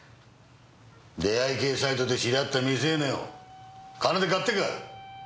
出会い系サイトで知り合った未成年を金で買ってか！